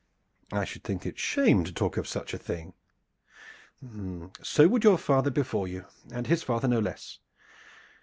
"I should think it shame to talk of such a thing." "So would your father before you, and his father no less.